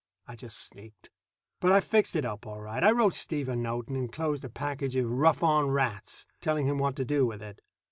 I just sneaked. But I fixed it up all right. I wrote Steve a note, and enclosed a package of "rough on rats," telling him what to do with it.